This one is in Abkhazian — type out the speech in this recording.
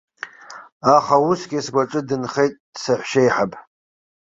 Аха усгьы сгәаҿы дынхеит саҳәшьеиҳаб.